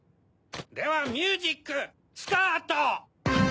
ではミュージックスタート！